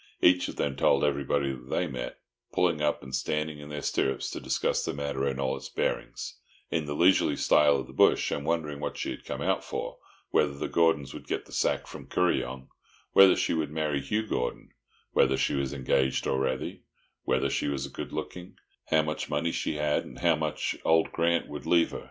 Each of them told everybody that they met, pulling up and standing in their stirrups to discuss the matter in all its bearings, in the leisurely style of the bush; and wondering what she had come out for, whether the Gordons would get the sack from Kuryong, whether she would marry Hugh Gordon, whether she was engaged already, whether she was good looking, how much money she had, and how much old Grant would leave her.